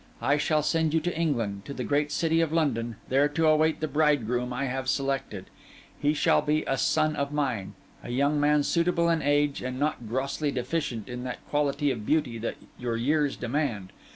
I shall send you to England, to the great city of London, there to await the bridegroom I have selected. He shall be a son of mine, a young man suitable in age and not grossly deficient in that quality of beauty that your years demand.